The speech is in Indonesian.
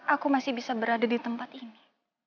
aku masih bisa berada di tempat ini